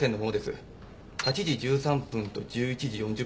８時１３分と１１時４０分。